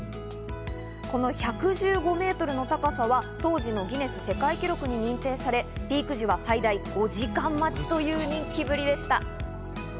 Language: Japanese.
この１１５メートルの高さは当時のギネス世界記録に認定され、ピーク時は最大５時間待ちという人気ぶりでした。